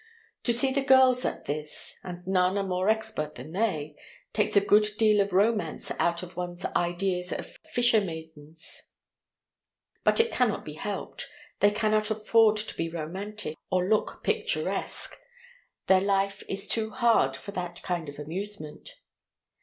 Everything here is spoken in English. To see the girls at this—and none are more expert than they—takes a good deal of the romance out of one's ideas of fisher maidens; but it cannot be helped. They cannot afford to be romantic, or look picturesque. Their life is too hard for that kind of amusement.